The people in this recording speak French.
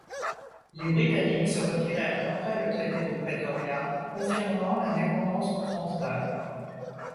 Les Britanniques se retirèrent après le traité de Pretoria, confirmant l'indépendance du Transvaal.